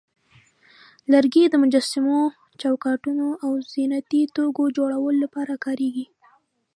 لرګي د مجسمو، چوکاټونو، او زینتي توکو جوړولو لپاره کارېږي.